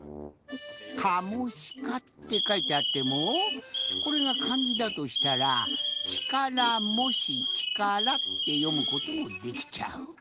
「カモシカ」ってかいてあってもこれがかんじだとしたら「力モシ力」ってよむこともできちゃう。